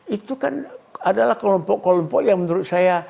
itu kan adalah kelompok kelompok yang menurut saya